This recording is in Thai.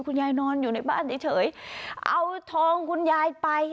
นอนอยู่ในบ้านเฉยเอาทองคุณยายไป